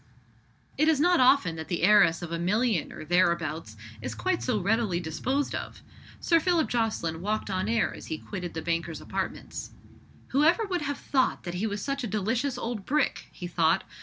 It is not often that the heiress of a million or thereabouts is quite so readily disposed of. Sir Philip Jocelyn walked on air as he quitted the banker's apartments. "Who ever would have thought that he was such a delicious old brick?" he thought.